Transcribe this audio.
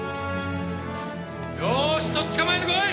よーしとっ捕まえてこい！